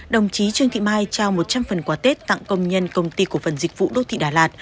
đồng chí trương thị mai trao một trăm linh phần quà tết tặng công nhân công ty cổ phần dịch vụ đô thị đà lạt